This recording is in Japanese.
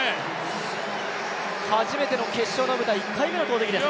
初めての決勝の舞台、１回目の投てきです。